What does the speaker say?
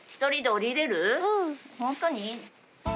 ホントに？